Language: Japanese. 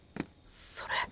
それ。